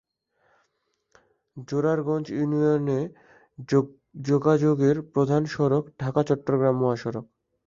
জোরারগঞ্জ ইউনিয়নে যোগাযোগের প্রধান সড়ক ঢাকা-চট্টগ্রাম মহাসড়ক।